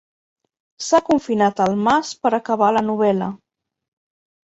S'ha confinat al mas per acabar la novel·la.